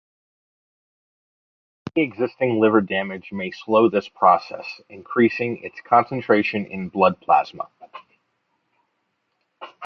Any existing liver damage may slow this process, increasing its concentration in blood plasma.